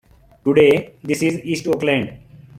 Today this is East Oakland.